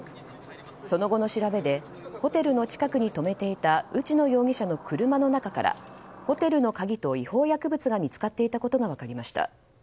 その後の調べでホテルの近くに止めていた内野容疑者の車の中からホテルの鍵と違法薬物が見つかっていたことが分かりました。